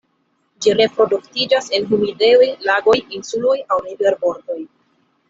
Ĝi reproduktiĝas en humidejoj, lagoj, insuloj aŭ riverbordoj.